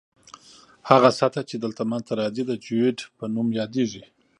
هغه سطح چې دلته منځ ته راځي د جیوئید په نوم یادیږي